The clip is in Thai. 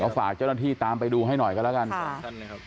เราฝากเจ้าหน้าที่ตามไปดูให้หน่อยกันละกันค่ะ